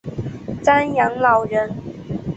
赡养老人